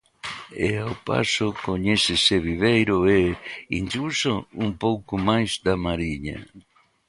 E ao paso coñécese Viveiro e, incluso, un pouco máis da Mariña.